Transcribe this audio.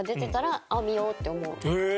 へえ！